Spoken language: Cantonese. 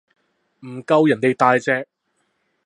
唔夠人哋大隻